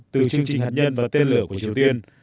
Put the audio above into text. từ chương trình hạt nhân và tên lửa của triều tiên